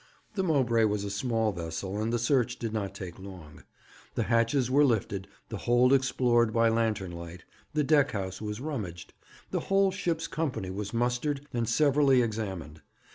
The Mowbray was a small vessel, and the search did not take long. The hatches were lifted, the hold explored by lantern light, the deck house was rummaged, the whole ship's company was mustered and severally examined.